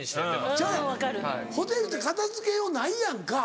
ちゃうやんホテルって片付けようないやんか。